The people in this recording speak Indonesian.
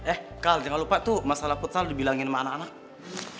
eh kak jangan lupa tuh masalah futsal dibilangin sama anak anak